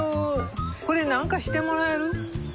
これ何かしてもらえる？